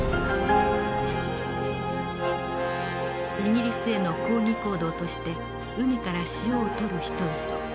イギリスへの抗議行動として海から塩を採る人々。